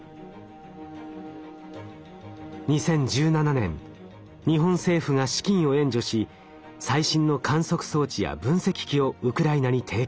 ２０１７年日本政府が資金を援助し最新の観測装置や分析器をウクライナに提供。